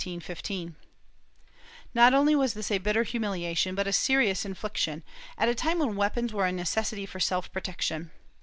^ Not only was this a bitter humiliation but a serious infliction, at a time when weapons were a necessity for self protection.